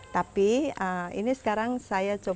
tapi ini sekarang saya coba beli